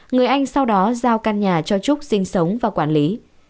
người anh sau đó giao căn nhà cho trúc sinh sống và quản lý